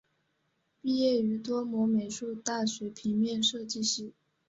毕业于多摩美术大学平面设计系。